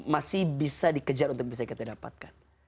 masih bisa dikejar untuk bisa kita dapatkan